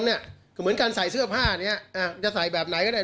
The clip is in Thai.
คือเหมือนการใส่เสื้อผ้านี้จะใส่แบบไหนก็ได้